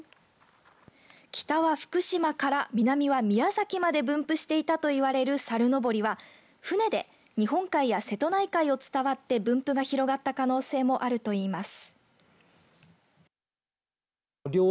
北は福島から南は宮崎まで分布していたといわれる猿のぼりは船で日本海や瀬戸内海を伝わって分布が広がった可能性もあるといいます。